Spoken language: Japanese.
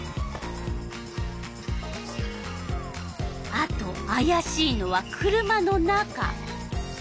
あとあやしいのは車の中。